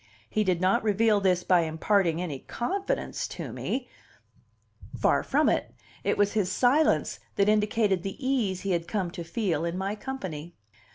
He did not reveal this by imparting any confidence to me; far from it; it was his silence that indicated the ease he had come to feel in my company.